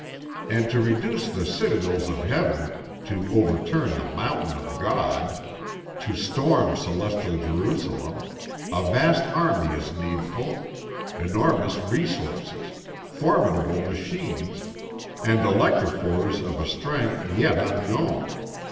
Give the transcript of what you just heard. And to reduce the citadels of Heaven, to overturn the mountain of God, to storm celestial Jerusalem, a vast army is needful, enormous resources, formidable machines, and electrophores of a strength yet unknown.